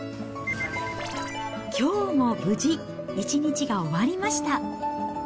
きょうも無事、一日が終わりました。